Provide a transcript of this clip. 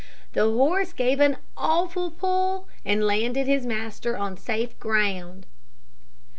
The horse gave an awful pull, and landed his master on safe ground."